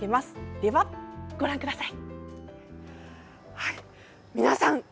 では、ご覧ください。